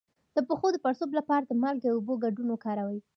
د پښو د پړسوب لپاره د مالګې او اوبو ګډول وکاروئ